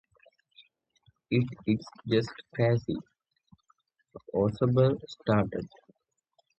It's just crazy, Orzabal stated.